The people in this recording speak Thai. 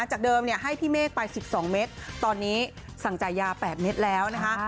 จากเดิมให้พี่เมฆไป๑๒เมตรตอนนี้สั่งจ่ายยา๘เม็ดแล้วนะคะ